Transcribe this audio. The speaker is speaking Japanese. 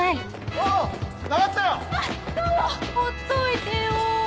ほっといてよ